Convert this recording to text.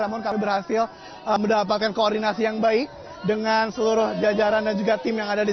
namun kami berhasil mendapatkan koordinasi yang baik dengan seluruh jajaran dan juga tim yang ada di sini